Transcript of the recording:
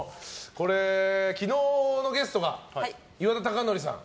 昨日のゲストが岩田剛典さん